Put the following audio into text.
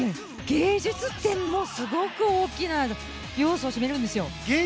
芸術点もすごく大きな要素を占めるんですよ。